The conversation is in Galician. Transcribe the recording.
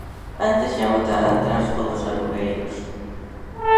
Antes xa botara atrás o dos alugueiros.